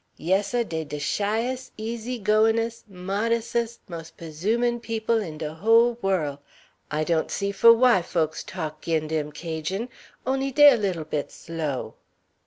Yes, seh, dey de shyes', easy goin'es', modesses', most p'esumin' peop' in de whole worl'! I don't see fo' why folks talk 'gin dem Cajun'; on'y dey a lil bit slow."